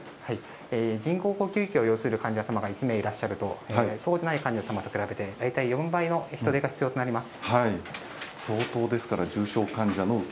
人工呼吸器を要する患者様が１名いらっしゃいますとそうでない患者様と比べて大体４倍の人手が必要になります。